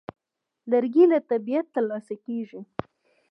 لرګی له طبیعته ترلاسه کېږي.